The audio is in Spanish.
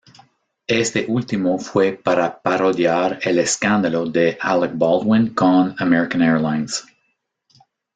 Este último fue para parodiar el escándalo de Alec Baldwin con American Airlines.